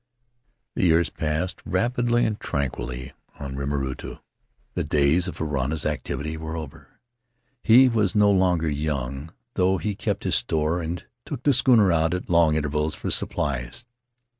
"The years passed rapidly and tranquilly on Rima rutu. The days of Varana's activity were over; he was no longer young, though he kept his store and took the schooner out at long intervals for supplies.